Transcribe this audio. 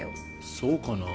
そうかなぁ？